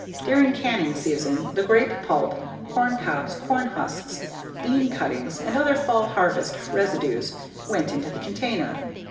During canning season the grape pulp, corn cobs, corn husks, bean cuttings and other fall harvest residues went into the container.